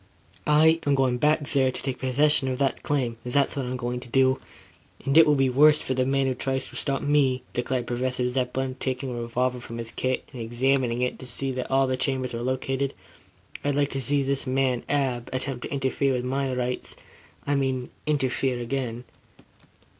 "I am going back there to take possession of that claim. That's what I am going to do. And it will be worse for the man who tries to stop me," declared Professor Zepplin, taking a revolver from his kit, and examining it to see that all the chambers were loaded. "I'd like to see this man, Ab, attempt to interfere with my rights I mean, interfere again."